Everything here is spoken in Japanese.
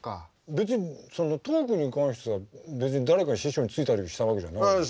別にトークに関しては別に誰か師匠についたりしたわけじゃないでしょ？